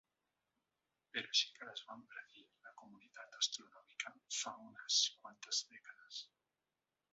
Però sí que les van predir la comunitat astronòmica fa unes quantes dècades.